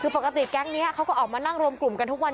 คือปกติแก๊งนี้เขาก็ออกมานั่งรวมกลุ่มกันทุกวัน